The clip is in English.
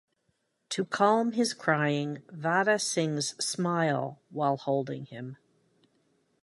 To calm his crying, Vada sings "Smile" while holding him.